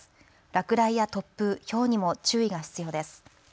落雷や突風、ひょうにも注意が必要です。